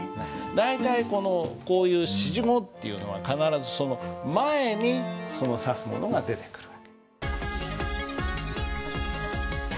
大体このこういう指示語っていうのは必ずその前にその指すものが出てくる訳。